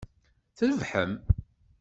Trebḥem!